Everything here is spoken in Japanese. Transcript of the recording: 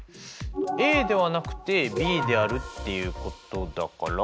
ＡではなくてＢであるっていうことだから。